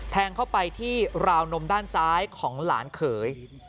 แทงเข้าไปที่ราวนมด้านซ้ายของหลานเขย